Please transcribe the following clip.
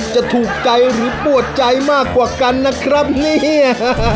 จะถูกใจหรือปวดใจมากกว่ากันนะครับเนี่ย